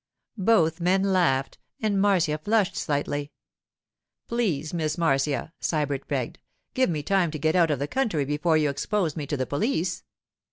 Both men laughed, and Marcia flushed slightly. 'Please, Miss Marcia,' Sybert begged, 'give me time to get out of the country before you expose me to the police.